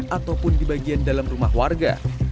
ataupun di bagian dalam rumah warga